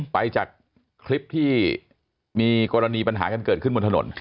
ไปจากคลิปที่มีกรณีปัญหากันเกิดขึ้นบนถนน